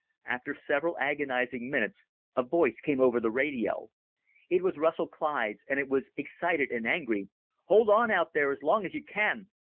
After several agonizing minutes, a voice came over the radio. It was Russell Clyde's and it was excited and angry. "Hold on out there as long as you can!